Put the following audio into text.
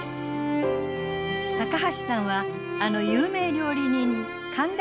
高橋さんはあの有名料理人神